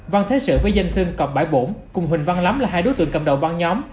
văn thế sự với danh sưng cọp bãi bổn cùng huỳnh văn lắm là hai đối tượng cầm đầu băng nhóm